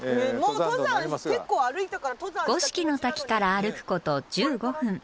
五色の滝から歩くこと１５分。